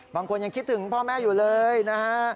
บางคนยังคิดถึงพ่อแม่อยู่เลยนะฮะ